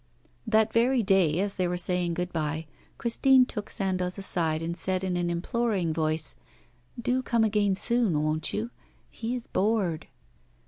That very day, as they were saying good bye, Christine took Sandoz aside, and said, in an imploring voice: 'Do come again soon, won't you? He is bored.